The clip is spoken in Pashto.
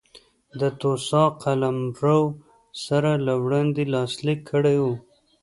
د توسا قلمرو سره له وړاندې لاسلیک کړی و.